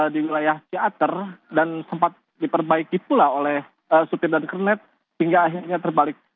di wilayah ciater dan sempat diperbaiki pula oleh supir dan kernet hingga akhirnya terbalik